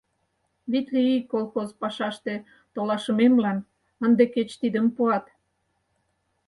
— Витле ий колхоз пашаште толашымемлан ынде кеч тидым пуат.